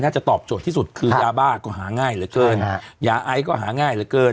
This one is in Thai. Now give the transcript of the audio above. ตอบโจทย์ที่สุดคือยาบ้าก็หาง่ายเหลือเกินยาไอก็หาง่ายเหลือเกิน